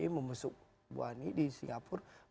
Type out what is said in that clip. memesuk buani di singapura